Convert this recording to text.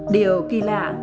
điều kỳ lạ